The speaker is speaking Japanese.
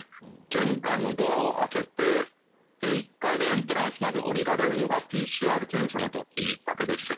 玄関のドアを開けて１階のエントランスまで降りられるのがＰＣＲ検査の時だけです。